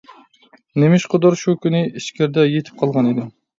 نېمىشقىدۇر شۇ كۈنى ئىچكىرىدە يېتىپ قالغانىدىم.